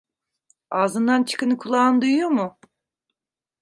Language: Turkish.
Ağzından çıkanı kulağın duyuyor mu?